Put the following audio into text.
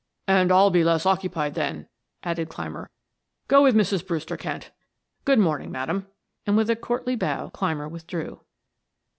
"And I'll be less occupied then," added Clymer. "Go with Mrs. Brewster, Kent; good morning, madam," and with a courtly bow Clymer withdrew.